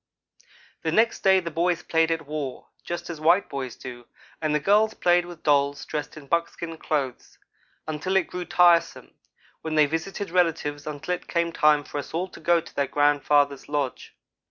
The next day the boys played at war, just as white boys do; and the girls played with dolls dressed in buckskin clothes, until it grew tiresome, when they visited relatives until it came time for us all to go to their grandfather's lodge.